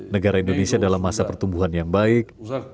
negara indonesia dalam masa pertumbuhan yang baik